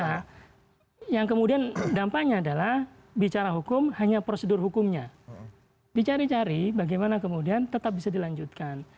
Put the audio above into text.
nah yang kemudian dampaknya adalah bicara hukum hanya prosedur hukumnya dicari cari bagaimana kemudian tetap bisa dilanjutkan